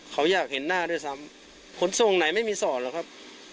เขาอยากเห็นหน้าด้วยซ้ำขนส่งไหนไม่มีสอนหรอกครับ